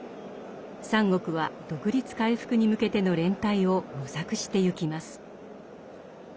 三国は独立回復に向けての連帯を模索してゆきます。